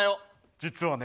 実はね